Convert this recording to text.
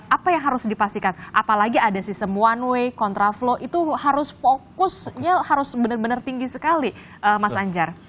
apa yang harus dipastikan apalagi ada sistem one way contraflow itu harus fokusnya harus benar benar tinggi sekali mas anjar